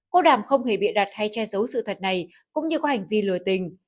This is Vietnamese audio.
cô đàm không hề bịa đặt hay che giấu sự thật này cũng như có hành vi lừa tình